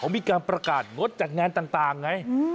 มีการประกาศงดจัดงานต่างไง